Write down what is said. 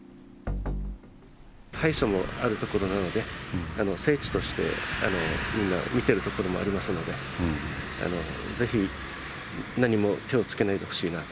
拝所もある所なので、聖地としてみんな見ているところもありますので、ぜひ、何も手をつけないでほしいなと。